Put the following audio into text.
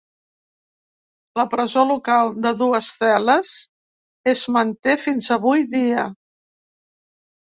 La presó local de dues cel·les es manté fins avui dia.